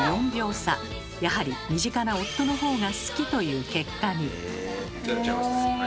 やはり身近な夫の方が好きという結果に。